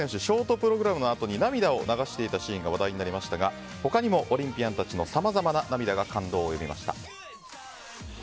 ショートプログラムのあとに涙を流していたシーンが話題になりましたが他にもオリンピアンたちのさまざまな涙が感動を呼びました。